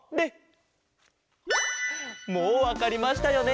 もうわかりましたよね。